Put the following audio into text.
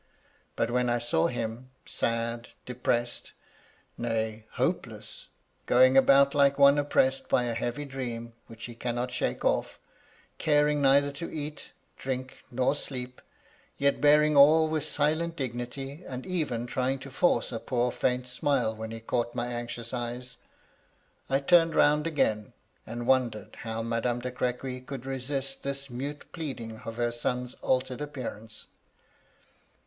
But when I saw him — sad, MY LADY LUDLOW. 121 depressed, nay, hopeless — agoing about like one op pressed by a heavy dream which he cannot shake off; caring neither to eat, drink, nor sleep, yet bearing all with silent dignity, and even trying to force a poor, faint smile when he caught my anxious eyes ; I turned round again, and wondered how Madame de Crequy could reast this mute pleading of her son's altered appearance.